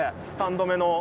３度目の。